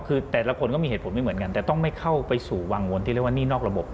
คือแต่ละคนก็มีเหตุผลไม่เหมือนกันแต่ต้องไม่เข้าไปสู่วังวนที่เรียกว่าหนี้นอกระบบ